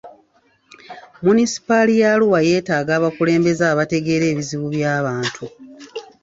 Munisipaali ya Arua yeetaaga abakulembeze abategeera ebizibu by'abantu.